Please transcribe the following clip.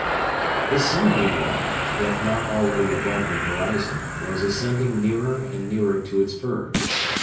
The sun, meanwhile, if not already above the horizon, was ascending nearer and nearer to its verge.